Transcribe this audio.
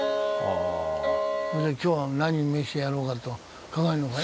それで今日は何飯やろうかと考えるのかい？